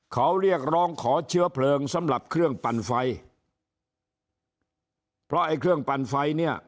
เขาเรียกร้องขอเชื้อเพลิงสำหรับเครื่องปั่นไฟเพราะไอ้เครื่องปั่นไฟเนี่ย